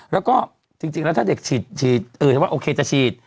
แล้วก็จริงแล้วถ้าเด็กฉีดว่าโอเคจะฉีด